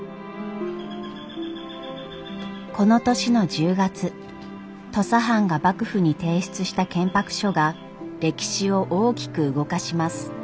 この年の１０月土佐藩が幕府に提出した建白書が歴史を大きく動かします。